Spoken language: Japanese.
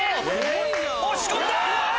押し込んだ！